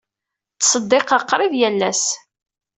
Ttṣeddiqeɣ qrib yal ass.